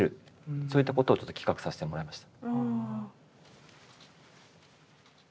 そういったことをちょっと企画させてもらいました。